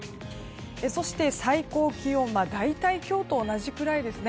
そして、最高気温が大体今日と同じくらいですね。